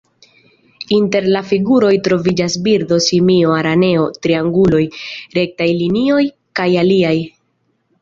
Inter la figuroj troviĝas birdo, simio, araneo, trianguloj, rektaj linioj kaj aliaj.